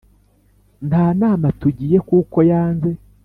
Nta nama tugiye kuko yanze!